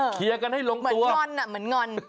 เคลียร์กันให้ลงตัวเหมือนง่อน